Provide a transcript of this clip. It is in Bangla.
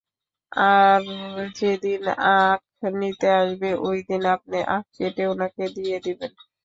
আর যেদিন আখ নিতে আসবে, ওইদিন আপনি আখ কেটে উনাকে দিয়ে দিবেন।